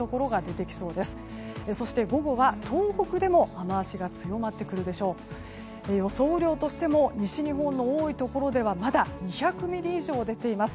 雨量としても西日本の多いところではまだ２００ミリ以上出ています。